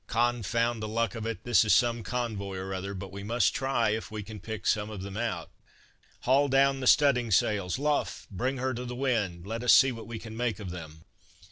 "Confound the luck of it, this is some convoy or other, but we must try if we can pick some of them out." "Haul down the studding sails! Luff! bring her to the wind! Let us see what we can make of them."